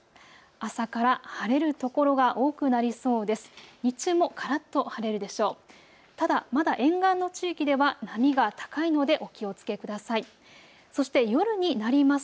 朝から晴れる所が多くなりそうです。